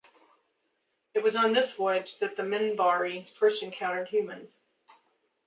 It was on this voyage that the Minbari first encountered humans.